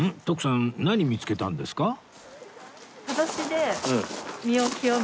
徳さん何見つけたんですか？